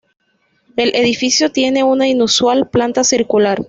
El edificio tiene una inusual planta circular.